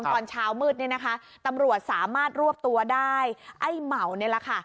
ตอนเช้ามืดเนี่ยนะคะตำรวจสามารถรวบตัวได้ไอ้เหมานี่แหละค่ะ